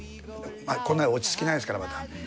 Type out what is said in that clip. こんな落ち着きないですからまだ。